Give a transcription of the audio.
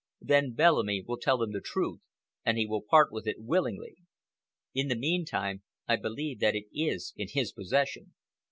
Then Bellamy will tell him the truth, and he will part with it willingly. In the meantime, I believe that it is in his possession.